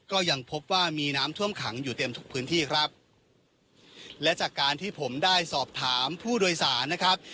ก็ยังพบว่ามีน้ำท่วมขังอยู่เต็มทุกพื้นที่ครับและจากการที่ผมได้สอบถามผู้โดยสารนะครับ